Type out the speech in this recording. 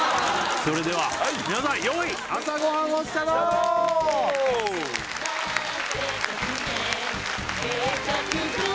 それでは皆さんよい朝ごはんをさよなら！